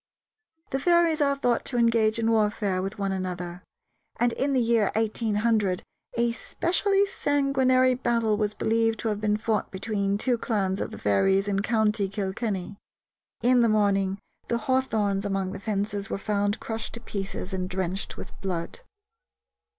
The fairies are thought to engage in warfare with one another, and in the year 1800 a specially sanguinary battle was believed to have been fought between two clans of the fairies in county Kilkenny. In the morning the hawthorns along the fences were found crushed to pieces and drenched with blood.